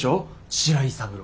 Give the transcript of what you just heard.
白井三郎。